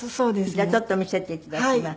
じゃあちょっと見せて頂きます。